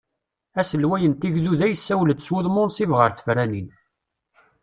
Aselway n tigduda yessawel-d s wudem unṣib ɣer tefranin.